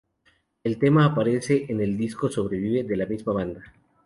El tema aparece en el disco "Sobrevive" de la misma banda.